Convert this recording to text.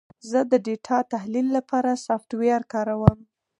زه د ډیټا تحلیل لپاره سافټویر کاروم.